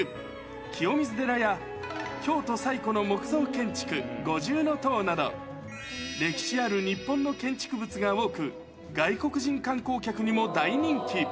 清水寺や、京都最古の木造建築、五重塔など、歴史ある日本の建築物が多く、外国人観光客にも大人気。